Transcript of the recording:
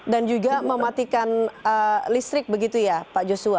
dan juga mematikan listrik begitu ya pak joshua